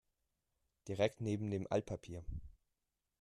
Direkt neben dem Altpapier.